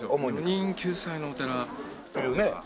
女人救済のお寺というか。